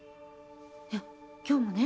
いや今日もね